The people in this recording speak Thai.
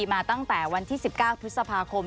มาตั้งแต่วันที่๑๙พฤษภาคม